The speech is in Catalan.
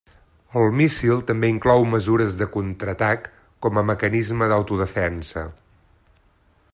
El míssil també inclou mesures de contraatac com a mecanisme d'autodefensa.